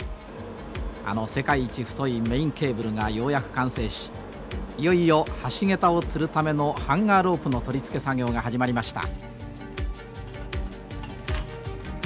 あの世界一太いメインケーブルがようやく完成しいよいよ橋桁をつるためのハンガー・ロープの取り付け作業が始まりました。